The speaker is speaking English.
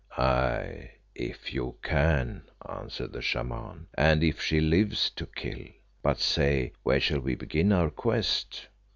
"Aye, if you can," answered the Shaman, "and if she lives to kill. But say, where shall we begin our quest?